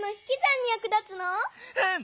うん！